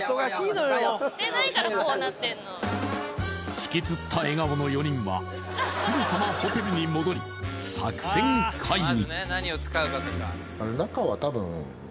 ひきつった笑顔の４人はすぐさまホテルに戻り、作戦会議。